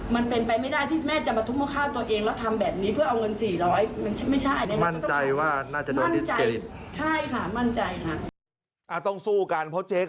มันเป็นไปไม่ได้ที่แม่จะมาทุกข้าวตัวเอง